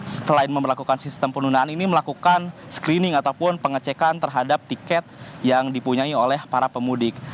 selain memperlakukan sistem penundaan ini melakukan screening ataupun pengecekan terhadap tiket yang dipunyai oleh para pemudik